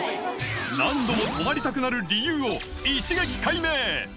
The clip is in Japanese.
何度も泊まりたくなる理由を一撃解明。